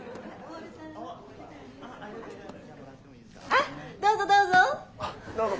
・あっどうぞどうぞ。